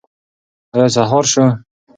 ایا سهار شو؟